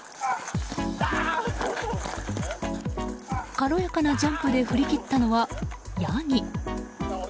軽やかなジャンプで振り切ったのはヤギ。